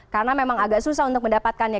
karena memang agak susah untuk mendapatkannya